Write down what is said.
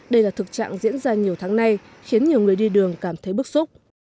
đây là thực trạng diễn ra nhiều tháng nay khiến nhiều người đi đường cảm thấy bức xúc